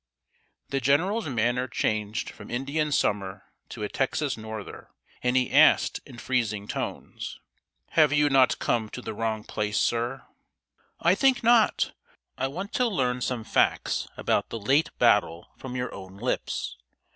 ] The general's manner changed from Indian summer to a Texas norther, and he asked, in freezing tones: "Have you not come to the wrong place, sir?" "I think not. I want to learn some facts about the late battle from your own lips.